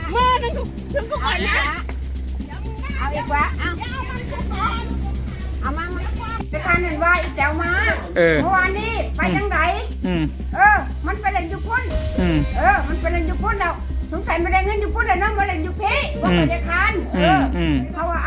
เมื่อมึงชุกกูก่อนนะ